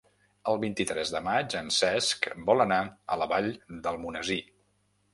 El vint-i-tres de maig en Cesc vol anar a la Vall d'Almonesir.